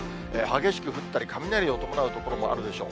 激しく降ったり、雷を伴う所もあるでしょう。